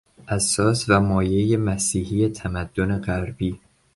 اساس و مایهی مسیحی تمدن غربی